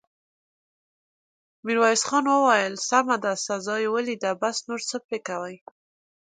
ميرويس خان وويل: سمه ده، سزا يې وليده، بس، نور څه پرې کوې!